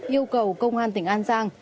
yêu cầu công an tỉnh an giang